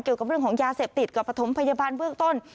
เกี่ยวกับเรื่องของยาเสพติดกับประถมพยาบาลเบื้องต้น